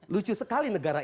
lucu sekali negara